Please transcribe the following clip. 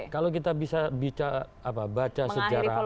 kalau kita bisa baca sejarah